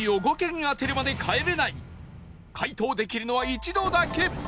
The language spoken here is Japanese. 解答できるのは一度だけ